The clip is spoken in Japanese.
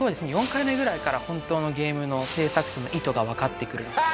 ４回目ぐらいから本当のゲームの制作者の意図がわかってくる。